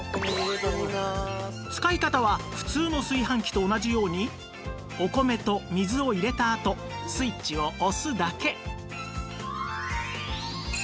使い方は普通の炊飯器と同じようにお米と水を入れたあとスイッチを押すだけ